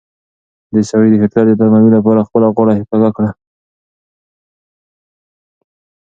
دې سړي د هېټلر د درناوي لپاره خپله غاړه کږه کړه.